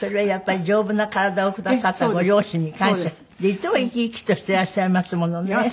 いつも生き生きとしていらっしゃいますものね。